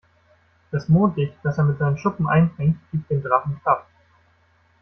Das Mondlicht, das er mit seinen Schuppen einfängt, gibt dem Drachen Kraft.